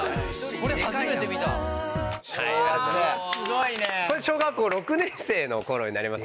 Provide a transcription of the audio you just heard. これ小学校６年生の頃になりますね。